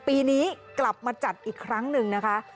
ปีนี้กลับมาจัดอีกครั้งหนึ่งนะคะ